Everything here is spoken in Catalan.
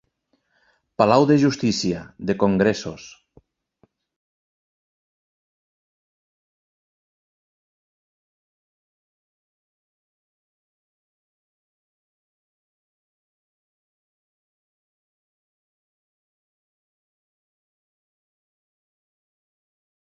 Palau de justícia, de congressos.